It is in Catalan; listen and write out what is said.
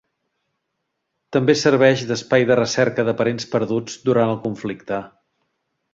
També serveix d'espai de recerca de parents perduts durant el conflicte.